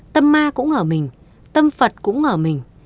tâm ma cũng ở mình tâm phật cũng ngờ mình